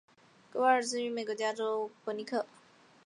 阿尔瓦雷茨生于美国加州伯克利。